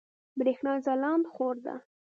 برېښنا د ځلاند خور ده